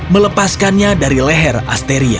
melepaskannya dari leher asteria